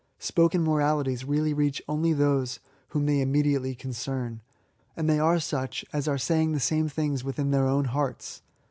Spoken moralities really reach only those whom they im mediately concern; — and they are such as are saying the same things within their own hearts.